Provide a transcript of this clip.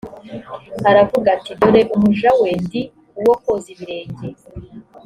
aravuga ati dore umuja we ndi uwo koza ibirenge